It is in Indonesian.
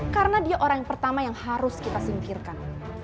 karena dia orang pertama yang harus kita singkirkan